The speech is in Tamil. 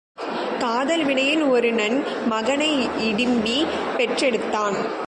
காதல் வினையில் ஒரு நன் மகனை இடிம்பி பெற்றெடுத்தாள்.